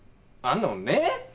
あのね。